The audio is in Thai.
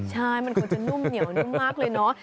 ใช่มันควรจะนุ่มเหนียวนุ่มมากเลยเนาะ